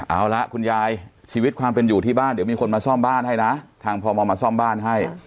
เอาละคุณยายชีวิตความเป็นอยู่ที่บ้านเดี๋ยวมีคนมาซ่อมบ้านให้นะทางพมมาซ่อมบ้านให้